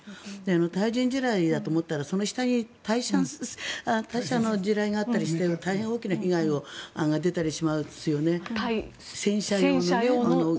対人地雷だと思ったらその下に対戦車の地雷があったりしてる大変大きな被害が出たりしますよね。